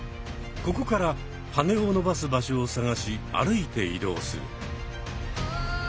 ここからはねをのばす場所を探し歩いて移動する。